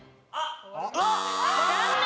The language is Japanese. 残念。